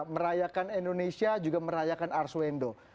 merayakan indonesia juga merayakan arswendo